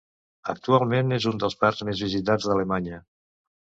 Actualment és un dels parcs més visitats d'Alemanya.